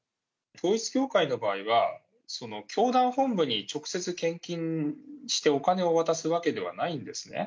統一教会の場合は、教団本部に直接献金してお金を渡すわけではないんですね。